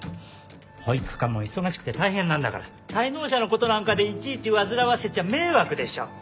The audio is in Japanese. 保育課も忙しくて大変なんだから滞納者のことなんかでいちいち煩わせちゃ迷惑でしょ。